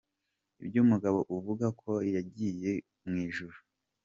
Iby’umugabo uvuga ko yagiye mu ijuru.